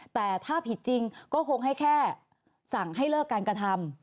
แต่ถ้าผิดจริงก็คงให้แค่สั่งให้เลิกการกระทำ